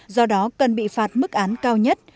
do đó cần bị phạt mức án cao nhất